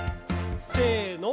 せの。